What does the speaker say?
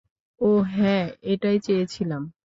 ওহ হ্যাঁ, এটাই চেয়েছিলাম।